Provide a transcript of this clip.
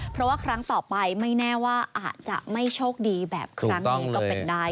เพราะว่าครั้งต่อไปไม่แน่ว่าอาจจะไม่โชคดีแบบครั้งนี้ก็เป็นได้